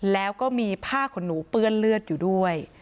แล้วก็มีผ้าขนหนูเปื้อนเลือดอยู่ด้วย